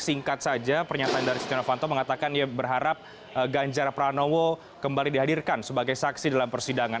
singkat saja pernyataan dari setia novanto mengatakan ia berharap ganjar pranowo kembali dihadirkan sebagai saksi dalam persidangan